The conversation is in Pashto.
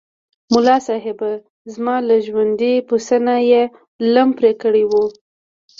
ملاصاحب! زما له ژوندي پسه نه یې لم پرې کړی و.